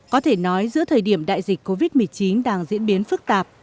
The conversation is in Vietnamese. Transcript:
có thể nói giữa thời điểm đại dịch covid một mươi chín đang diễn biến phức tạp